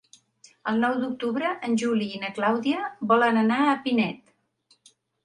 El nou d'octubre en Juli i na Clàudia volen anar a Pinet.